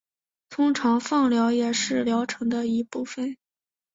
通常放疗也是疗程的一部分。